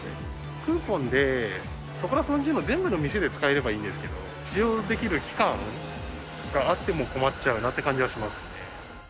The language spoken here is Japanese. クーポンで、そこらじゅう全部の店で使えればいいんですけれども、使用できる期間があっても困っちゃうなっていう感じはしますね。